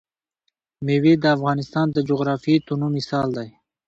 مېوې د افغانستان د جغرافیوي تنوع مثال دی.